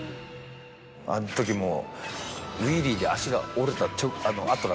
あの時もう。